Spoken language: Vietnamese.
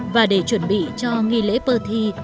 và để chuẩn bị cho nghi lễ pơ thi